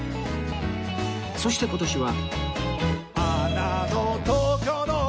そして今年は